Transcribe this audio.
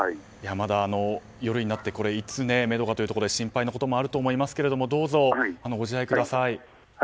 夜になっていつ、めどがというところで心配なこともあるかと思いますがどうぞご自愛ください。